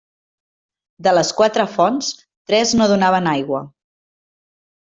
De les quatre fonts, tres no donaven aigua.